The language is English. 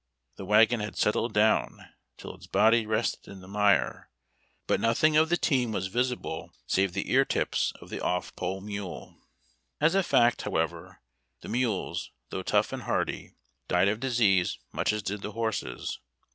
The wagon had settled down till its body rested in the mire, but nothing of the team was visible save the ear tips of the off pole mule. As a fact, however, the mules, though tough and hardy, died of disease much as did the horses.